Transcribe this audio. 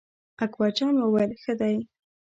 اکبر جان وویل: ښه دی.